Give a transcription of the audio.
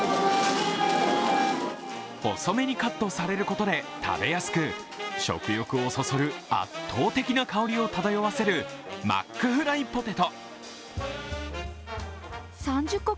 細めにカットされることで食べやすく食欲をそそる圧倒的な香りを漂わせるマックフライポテト。